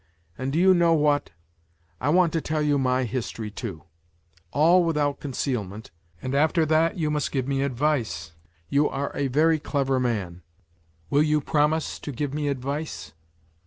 And do you know what ? I want to tell you my history too, all without conceal ment, and after that you must give me advice. You are a very clever man ; will you promise to give me advice